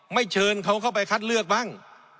เชิญเขาเข้าไปคัดเลือกบ้าง